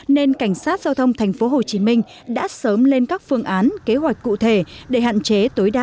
nên cảnh sát giao thông tp hcm đã sớm lên các phương án kế hoạch cụ thể để hạn chế tối đa